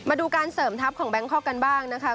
มาดูการเสริมทัพของแบงคอกกันบ้างนะคะ